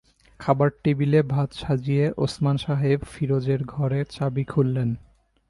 খাবার টেবিলে ভাত সাজিয়ে ওসমান সাহেব ফিরোজের ঘরের চাবি খুললেন।